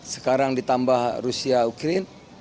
sekarang ditambah rusia ukraine